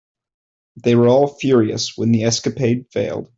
They were all furious when the escapade failed.